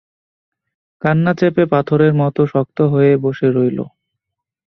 কান্না চেপে পাথরের মতো শক্ত হয়ে বসে রইল।